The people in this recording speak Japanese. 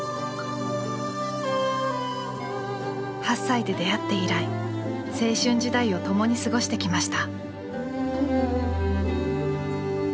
８歳で出会って以来青春時代を共に過ごしてきました。